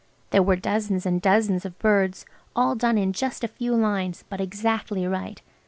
There were dozens and dozens of birds–all done in just a few lines–but exactly right.